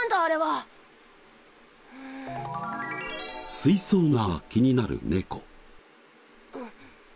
水槽が気になる猫。